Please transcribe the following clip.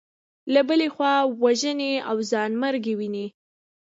له بلې خوا وژنې او ځانمرګي وینو.